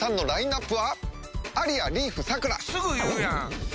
すぐ言うやん！